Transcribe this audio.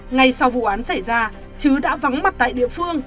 ngay sau vụ án xảy ra chứ đã vắng mặt tại địa phương